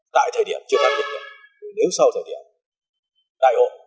tại thời điểm chưa thành nhập nhập nếu sau thời điểm đại hội